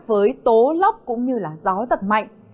với tố lóc cũng như là gió giật mạnh